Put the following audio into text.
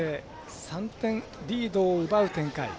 ３点リードを奪う展開。